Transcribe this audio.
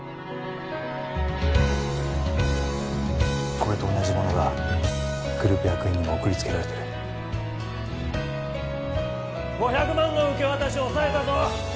これと同じものがグループ役員に送りつけられてる５００万の受け渡し押さえたぞ！